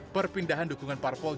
perpindahan dukungan parpolis